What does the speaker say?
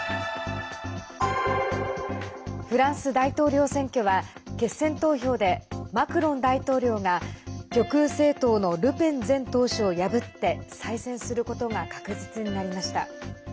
フランス大統領選挙は決選投票でマクロン大統領が極右政党のルペン前党首を破って再選することが確実になりました。